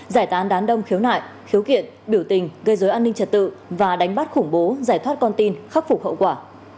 giải tán đám đông khiếu nại khiếu kiện biểu tình gây dối an ninh trật tự và đánh bắt khủng bố giải thoát con tin khắc phục hậu quả